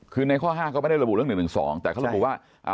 คือในข้อ๕ก็ไม่ได้ระบุเรื่อง๑๑๒แต่เขาระบุว่า